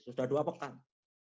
sudah dua pekan